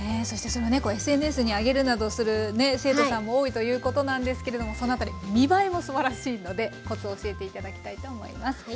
そしてそのねＳＮＳにあげるなどする生徒さんも多いということなんですけれどもそのあたり見栄えもすばらしいのでコツを教えて頂きたいと思います。